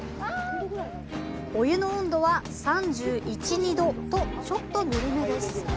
お湯の温度は３１２度と、ちょっとぬるめです。